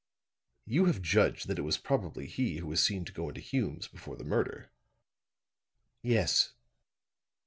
"You have judged that it was probably he who was seen to go into Hume's before the murder?" "Yes."